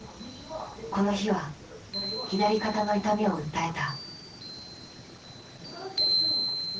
この日は左肩の痛みを訴えた。